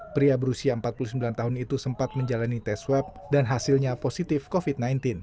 pria berusia empat puluh sembilan tahun itu sempat menjalani tes swab dan hasilnya positif covid sembilan belas